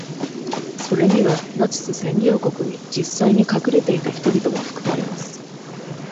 それには、ナチス占領国に実際に隠れていた人々も含まれます。